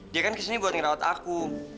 dia kan kesini buat ngerawat aku